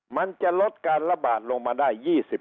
มันจะลดการระบาดลงมาได้๒๐